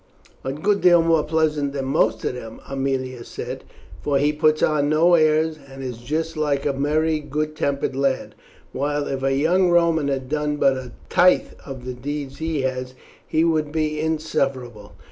"A good deal more pleasant than most of them," Aemilia said, "for he puts on no airs, and is just like a merry, good tempered lad, while if a young Roman had done but a tithe of the deeds he has he would be insufferable.